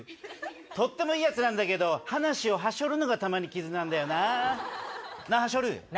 とってもいいやつなんだけど、話をはしょるのがたまに傷なんだよな。何？